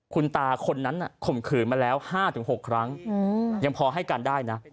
คุณตาคนนั้นข่มขืนมาแล้ว๕๖ครั้งยังพอให้การได้นะ